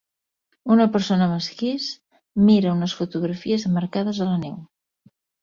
Una persona amb esquís mira unes fotografies emmarcades a la neu.